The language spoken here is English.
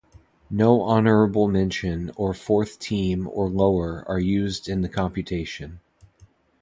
No honorable mention or fourth team or lower are used in the computation.